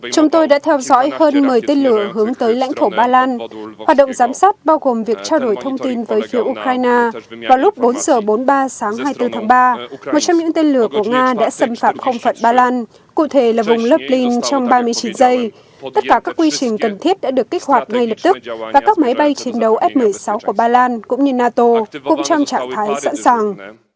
chúng tôi đã theo dõi hơn một mươi tiên lửa hướng tới lãnh thổ ba lan hoạt động giám sát bao gồm việc trao đổi thông tin với phía ukraine vào lúc bốn giờ bốn mươi ba sáng hai mươi bốn tháng ba một trong những tiên lửa của nga đã xâm phạm không phận ba lan cụ thể là vùng loplin trong ba mươi chín giây tất cả các quy trình cần thiết đã được kích hoạt ngay lập tức và các máy bay chiến đấu f một mươi sáu của ba lan cũng như nato cũng trong trạng thái sẵn sàng